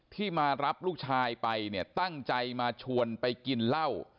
ที่มารับลูกชายไปเนี่ยตั้งใจมาชวนไปกินเหล้า